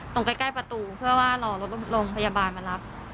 ตรงใกล้ประตูเพื่อว่ารอรถโรงพยาบาลมารับ